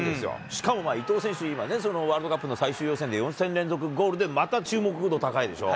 しかも伊東選手、今ね、ワールドカップの最終予選で４戦連続ゴールで、また注目度、高いでしょ。